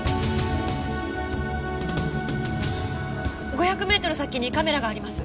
５００メートル先にカメラがあります。